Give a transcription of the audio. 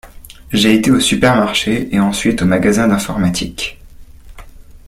J’ai été au supermarché et ensuite au magasin d’informatique.